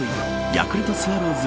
ヤクルトスワローズ